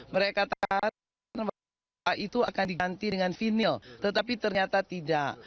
mereka katakan bahwa itu akan diganti dengan vinil tetapi ternyata tidak